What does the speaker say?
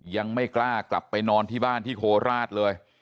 ยังไม่กล้ากลับไปนอนที่บ้านที่โคราชเลย